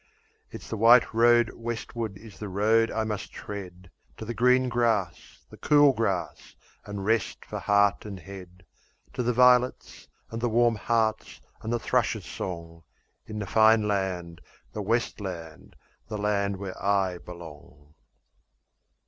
It's the white road westwards is the road I must tread To the green grass, the cool grass, and rest for heart and head, To the violets, and the warm hearts, and the thrushes' song, In the fine land, the west land, the land where I belong.